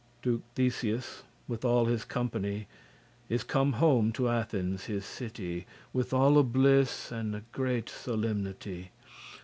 Duke Theseus, with all his company, Is come home to Athens his city, With alle bliss and great solemnity.